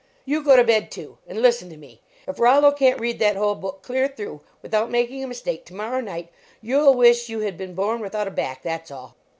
You go to bed, too, and listen to me if Rollo can t read that whole book clear through without making a mistake to morrow night, you ll wish you had been born without a back, that s all."